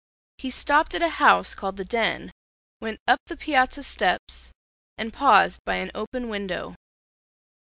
He stopped at a house called The Den, went up the piazza steps, and paused by an open window.